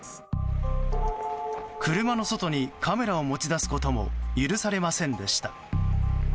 車の外にカメラを持ち出すことも許されませんでした。